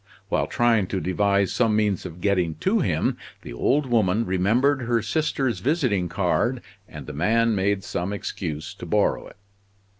While trying to devise some means of getting to him, the old woman remembered her sister's visiting card, and the man made some excuse to borrow it."